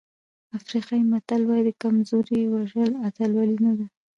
افریقایي متل وایي د کمزوري وژل اتلولي نه ده.